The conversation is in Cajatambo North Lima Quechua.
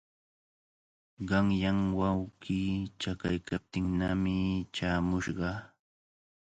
Qanyan wawqii chakaykaptinnami chaamushqa.